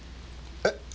えっ？